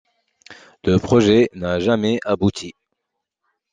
Le projet n'a jamais abouti.